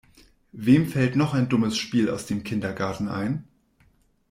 Wem fällt noch ein dummes Spiel aus dem Kindergarten ein?